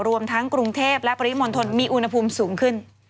รวมทั้งกรุงเทพและปริมณฑลมีอุณหภูมิสูงขึ้น